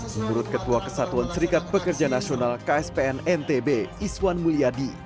menurut ketua kesatuan serikat pekerja nasional kspn ntb iswan mulyadi